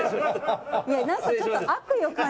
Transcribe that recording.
いやなんかちょっと悪意を感じました。